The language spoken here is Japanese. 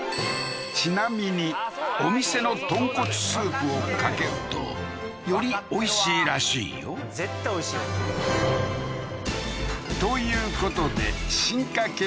ちなみにお店の豚骨スープをかけるとよりおいしいらしいよ絶対おいしいわということで進化形